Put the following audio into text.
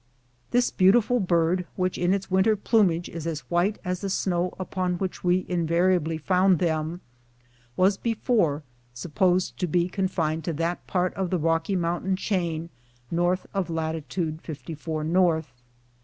This beautiful bird, which, in its winter plumage, is as white as the snow upon which we invariably found them, was before supposed to be confined to that part of the Rocky Mountain chain north of latitude 54° north.